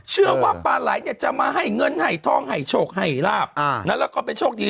เชื่อว่าปลาไหลเนี่ยจะมาให้เงินให้ทองให้โชคให้ลาบแล้วก็ไปโชคดี